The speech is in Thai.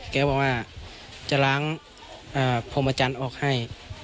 เขาก็บอกว่าจะล้างโพงประจันทร์ออกให้